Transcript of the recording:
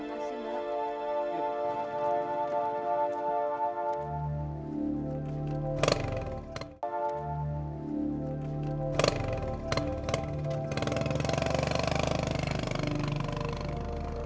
terima kasih bang